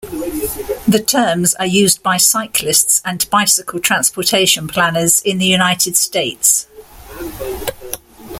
The terms are used by cyclists and bicycle transportation planners in the United States.